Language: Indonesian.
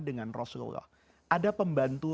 dengan rasulullah ada pembantu